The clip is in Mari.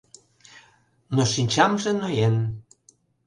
Но шинчамже ноен.